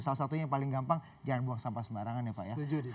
salah satunya yang paling gampang jangan buang sampah sembarangan ya pak ya